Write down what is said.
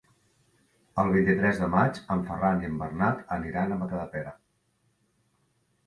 El vint-i-tres de maig en Ferran i en Bernat aniran a Matadepera.